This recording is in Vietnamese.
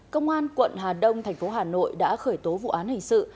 công an quận hà đông thành phố hà nội đã khởi tố vụ án hình sự